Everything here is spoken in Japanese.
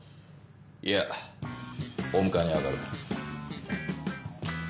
いやお迎えにあがる。